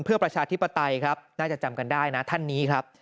เพื่อประชาธิปไตยครับน่าจะจำกันได้นะท่านนี้ครับ